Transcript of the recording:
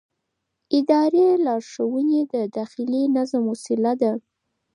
اداري لارښوونې د داخلي نظم وسیله ده.